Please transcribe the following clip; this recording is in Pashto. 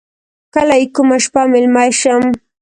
کله یې کومه شپه میلمه شم.